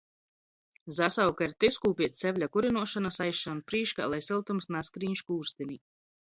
Zasauka ir tys, kū piec cepļa kurynuošonys aizsaun prīškā, lai syltums naskrīn škūrstinī.